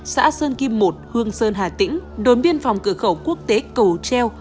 xã sơn kim một hương sơn hà tĩnh đồn biên phòng cửa khẩu quốc tế cầu treo